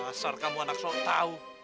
dasar kamu anak sotau